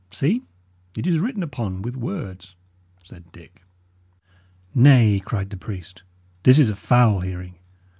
See, it is written upon with words," said Dick. "Nay," cried the priest, "this is a foul hearing!